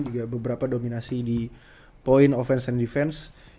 juga beberapa dominasi di point offense and defense